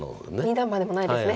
二段バネもないですね。